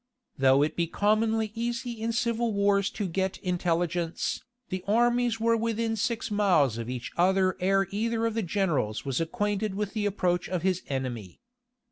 Though it be commonly easy in civil wars to get intelligence, the armies were within six miles of each other ere either of the generals was acquainted with the approach of his enemy.